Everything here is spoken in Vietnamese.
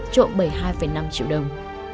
trộm bảy mươi hai năm triệu đồng